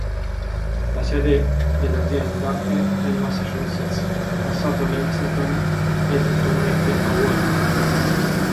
La sede dell'azienda è nel Massachusetts, in passato a Lexington, ed attualmente a Waltham.